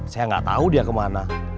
saya gak tau dia kemana